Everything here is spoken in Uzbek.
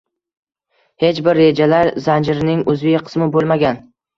hech bir rejalar zanjirining uzviy qismi bo‘lmagan